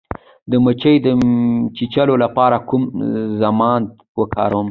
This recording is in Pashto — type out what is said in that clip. د مچۍ د چیچلو لپاره کوم ضماد وکاروم؟